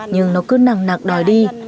nhưng nó cứ nằng nạc đòi đi